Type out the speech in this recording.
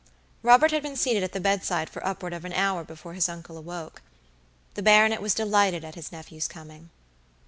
Robert had been seated at the bedside for upward of an hour before his uncle awoke. The baronet was delighted at his nephew's coming.